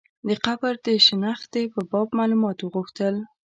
د قبر د شنختې په باب معلومات وغوښتل.